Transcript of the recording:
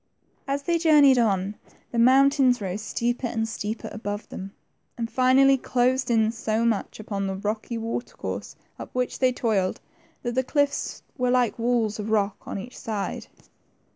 As they journeyed ^n, the mountains rose steeper and steeper above them, and finally closed in so much upon the rocky water course up which they toiled, that the cliffs were like walls of rock on e^lch side.